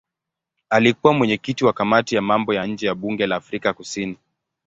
Alikuwa mwenyekiti wa kamati ya mambo ya nje ya bunge la Afrika Kusini.